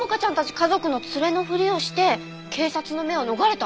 家族の連れのふりをして警察の目を逃れた？